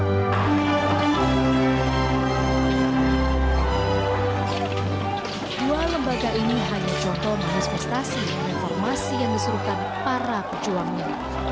dua lembaga ini hanya contoh manifestasi informasi yang disuruhkan para pejuangnya